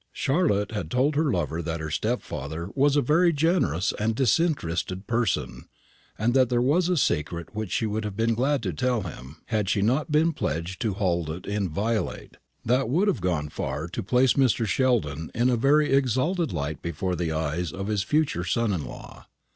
Charlotte had told her lover that her stepfather was a very generous and disinterested person, and that there was a secret which she would have been glad to tell him, had she not been pledged to hold it inviolate, that would have gone far to place Mr. Sheldon in a very exalted light before the eyes of his future son in law.